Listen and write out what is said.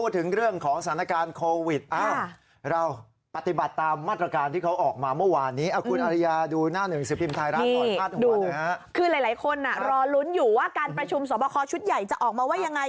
ถือว่าการประชุมสวบคอชุดใหญ่จะออกมาว่ายังไง